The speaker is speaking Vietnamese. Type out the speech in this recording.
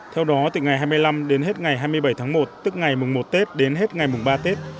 theo đó từ ngày hai mươi năm đến hết ngày hai mươi bảy tháng một tức ngày mùng một tết đến hết ngày mùng ba tết